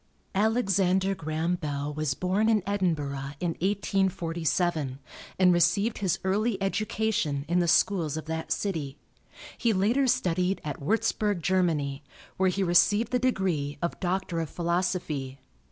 Alexander Graham Bell was born in Edinburgh in 1847, and received his early education in the schools of that city. He later studied at Warzburg, Germany, where he received the degree of Doctor of Philosophy.